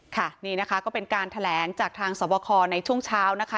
ค่ะนี่นะคะก็เป็นการแถลงจากทางสวบคอในช่วงเช้านะคะ